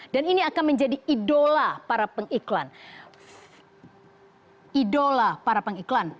dan ini akan menjadi idola para pengiklan